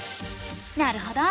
なるほど。